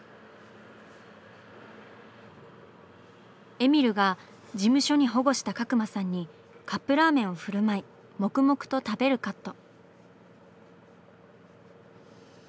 えみるが事務所に保護した角間さんにカップラーメンを振る舞い黙々と食べるカット。